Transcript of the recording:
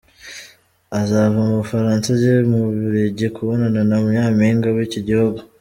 Azava mu Bufaransa ajye mu Bubiligi kubonana na Nyampinga w’iki gihugu.